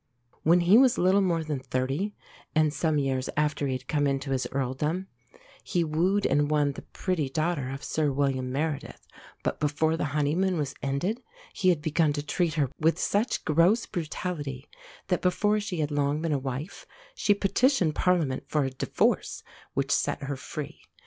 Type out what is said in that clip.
When he was little more than thirty, and some years after he had come into his earldom, he wooed and won the pretty daughter of Sir William Meredith; but before the honeymoon was ended he had begun to treat her with such gross brutality that, before she had long been a wife, she petitioned Parliament for a divorce, which set her free.